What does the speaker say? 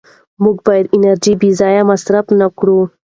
موږ باید انرژي بېځایه مصرف نه کړو